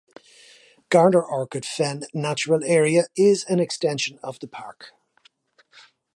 "Garner Orchid Fen Natural Area" is an extension of the park.